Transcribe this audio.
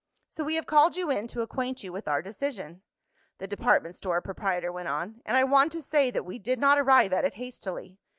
"So we have called you in to acquaint you with our decision," the department store proprietor went on. "And I want to say that we did not arrive at it hastily.